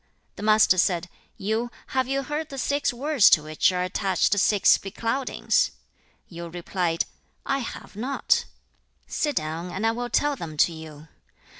The Master said, 'Yu, have you heard the six words to which are attached six becloudings?' Yu replied, 'I have not.' 2. 'Sit down, and I will tell them to you.